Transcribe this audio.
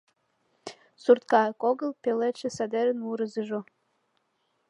Сурт кайык огыл — пеледше садерын мурызыжо.